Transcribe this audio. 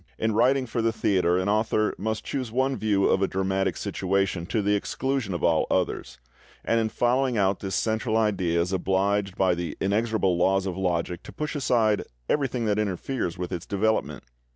In writing for the theatre, an author must choose one view of a dramatic situation to the exclusion of all others, and in following out this central idea is obliged by the inexorable laws of logic to push aside everything that interferes with its development.